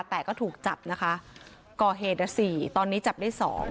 แต่ก็ถูกจับนะคะก่อเหตุ๔ตอนนี้จับได้๒